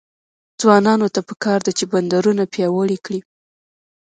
ځوانانو ته پکار ده چې، بندرونه پیاوړي کړي.